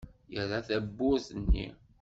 Yerra tawwurt-nni.